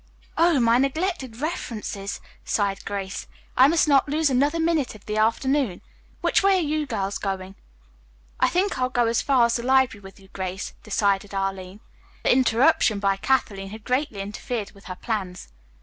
"Oh, my neglected references," sighed Grace. "I must not lose another minute of the afternoon. Which way are you girls going?" "I think I'll go as far as the library with you, Grace," decided Arline. The interruption by Kathleen had greatly interfered with her plans.